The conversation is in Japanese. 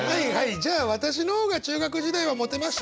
じゃあ私の方が中学時代はモテました。